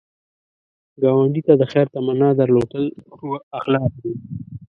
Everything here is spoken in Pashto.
ګاونډي ته د خیر تمنا درلودل ښو اخلاق دي